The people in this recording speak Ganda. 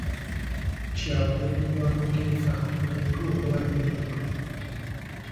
Kya bumenyi bw'amateeka omuntu okuba n'emmundu.